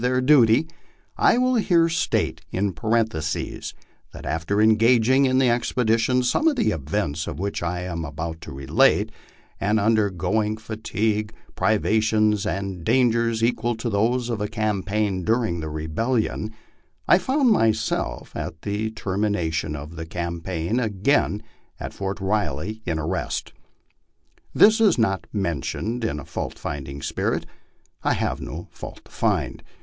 * duty, I will here state, in parenthesis, that after engaging in the expedition, some of the events of which I am about to relate, and undergoing fatigue, privations, and dangers equal to those of a campaign during the Rebellion, I found myself at the termination of the campaign again at Fort Riley in arrest. This is not mentioned in a fault finding spirit. I have no fault to find.